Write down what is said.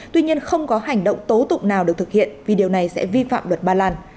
tuy nhiên không có hành động tố tụng nào được thực hiện vì điều này sẽ vi phạm luật ba lan